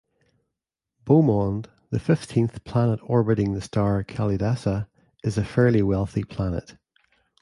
Beaumonde, the fifteenth planet orbiting the star Kalidasa, is a fairly wealthy planet.